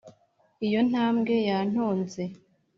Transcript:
iyo ntambwe yantonze